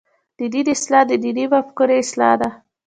د دین اصلاح د دیني مفکورې اصلاح ده.